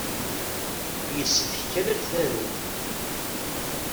Yessefk kan ad tarud.